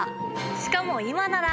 しかも今なら！